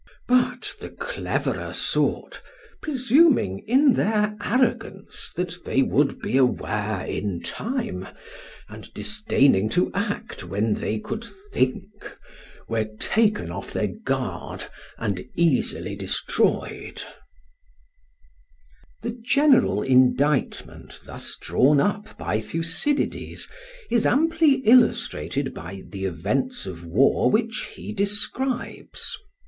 But the cleverer sort, presuming in their arrogance that they would be aware in time, and disdaining to act when they could think, were taken off their guard and easily destroyed." [Footnote: Thuc. iii. 82. Translated by Jowett.] The general indictment thus drawn up by Thucydides is amply illustrated by the events of war which he describes.